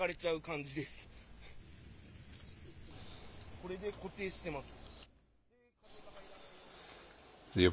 これで固定してます。